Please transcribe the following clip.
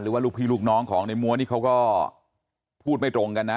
ว่าลูกพี่ลูกน้องของในมัวนี่เขาก็พูดไม่ตรงกันนะ